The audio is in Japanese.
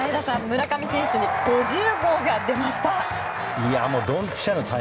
村上選手に５０号が出ました。